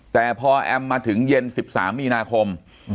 แต่พอแอมมาถึงเย็น๑๓มีนาคม